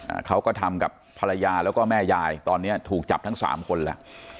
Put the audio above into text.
อ่าเขาก็ทำกับภรรยาแล้วก็แม่ยายตอนเนี้ยถูกจับทั้งสามคนแล้ว